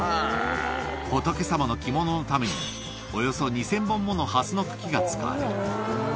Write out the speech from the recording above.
仏様の着物のために、およそ２０００本ものハスの木が使われる。